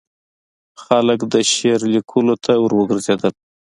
خلک د شعر لیکلو ته وروګرځېدل.